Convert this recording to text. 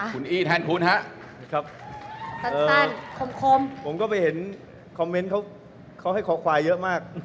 คงได้เห็นแบบที่เค้าให้คอควายเยอะมาก